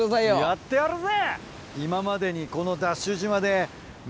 やってやるぜ！